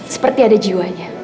seperti ada jiwanya